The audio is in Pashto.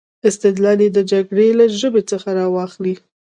استدلال یې د جګړې له ژبې څخه را واخلي.